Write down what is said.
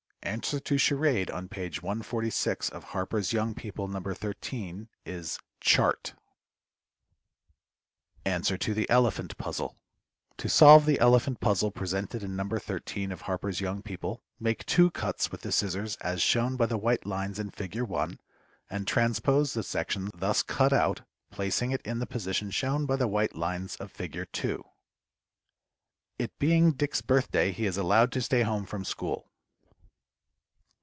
= Answer to Charade on page 146 of HARPER'S YOUNG PEOPLE No. 13 is "Chart." [Illustration: Fig. 1.] [Illustration: Fig. 2.] =Answer to the Elephant Puzzle.= To solve the Elephant Puzzle presented in No. 13 of HARPER'S YOUNG PEOPLE make two cuts with the scissors as shown by the white lines in Fig. 1, and transpose the section thus cut out, placing it in the position shown by the white lines of Fig 2. IT BEING DICK'S BIRTHDAY, HE IS ALLOWED TO STAY HOME FROM SCHOOL.